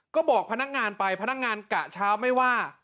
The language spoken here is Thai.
ก็บอกพนักงานไปพนักงานกะเช้าไม่ว่า